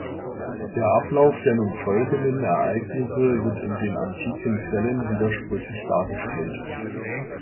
Der Ablauf der nun folgenden Ereignisse wird in den antiken Quellen widersprüchlich dargestellt.